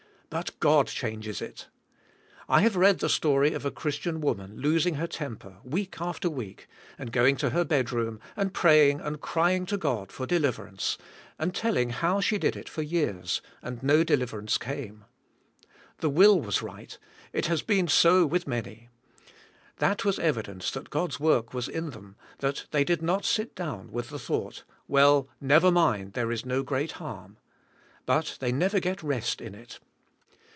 But God changes it. I have read the story of a Christian woman losing her temper week after week, and going to her bed room and praying and crying to God for deliverance, and telling how she did it for years and no deliverance came. The will was right, it has been so with many. That was evidence that God's work was in them, that they did not sit down with the thought, "Well, never mind, there is no great harm." But they never get rest in it.